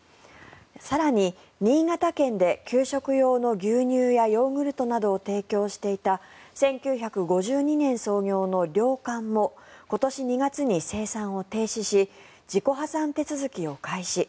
更に、新潟県で給食用の牛乳やヨーグルトなどを提供していた１９５２年創業の良寛も今年２月に生産を停止し自己破産手続きを開始。